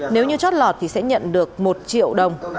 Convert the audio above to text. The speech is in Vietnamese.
nếu như chót lọt thì sẽ nhận được một triệu đồng